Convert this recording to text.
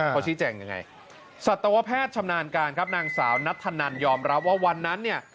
เขาชี้แจงยังไงสัตวแพทย์ชำนาญการครับนางสาวนัทธนันยอมรับว่าวันนั้นเนี่ย